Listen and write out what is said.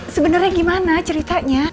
sebenarnya gimana ceritanya